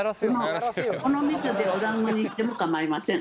この蜜でおだんごにしても構いません。